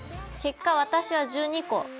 結果私は１２個。